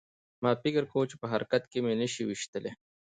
ما فکر کاوه چې په حرکت کې مې نشي ویشتلی